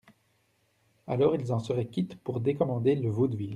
Alors ils en seraient quittes pour décommander le vaudeville.